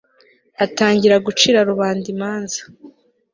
atangira gucira rubanda imanza